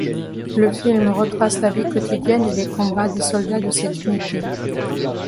Le film retrace la vie quotidienne et les combats des soldats de cette unité.